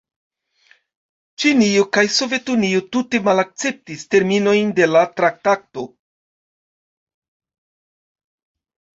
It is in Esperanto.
Ĉinio kaj Sovetunio tute malakceptis terminojn de la traktato.